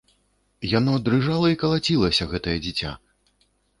Яно дрыжала і калацілася, гэтае дзіця!